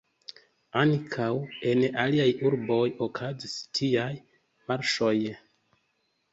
Ankaŭ en aliaj urboj okazis tiaj marŝoj.